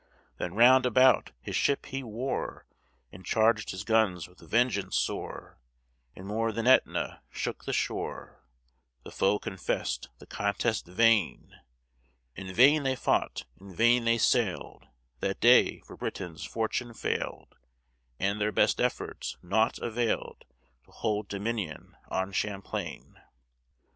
Then, round about, his ship he wore, And charged his guns with vengeance sore, And more than Etna shook the shore The foe confessed the contest vain. In vain they fought, in vain they sailed, That day; for Britain's fortune failed, And their best efforts naught availed To hold dominion on Champlain.